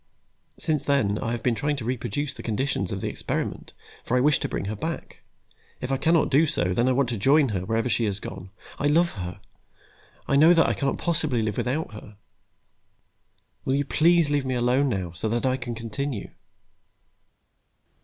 Since then, I have been trying to reproduce the conditions of the experiment, for I wish to bring her back. If I cannot do so, then I want to join her, wherever she has gone. I love her, I know now that I cannot possibly live without her. Will you please leave me alone, now, so that I can continue?"